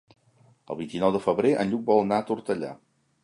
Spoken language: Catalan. El vint-i-nou de febrer en Lluc vol anar a Tortellà.